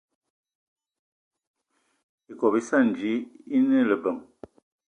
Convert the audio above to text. Ikob íssana ji íne lebeng.